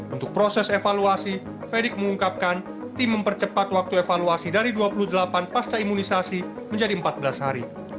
untuk proses evaluasi fedik mengungkapkan tim mempercepat waktu evaluasi dari dua puluh delapan pasca imunisasi menjadi empat belas hari